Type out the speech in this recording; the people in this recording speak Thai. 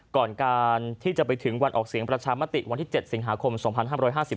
ก่อนการที่จะไปถึงวันออกเสียงประชามติวันที่๗สิงหาคม๒๕๕๙